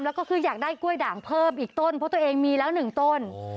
แล้วก็คืออยากได้กล้วยด่างเพิ่มอีกต้นเพราะตัวเองมีแล้วหนึ่งต้น